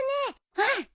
うん！